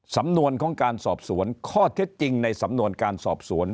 สำนวนของการสอบสวนข้อเท็จจริงในสำนวนการสอบสวน